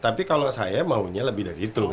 tapi kalau saya maunya lebih dari itu